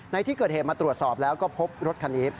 ในที่เกิดเหตุมาตรวจสอบแล้วก็พบรถคันนี้